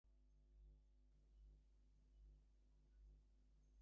Apple licensed the core technology from fusionOne.